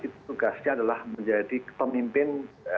tugasnya adalah menjadi pemimpin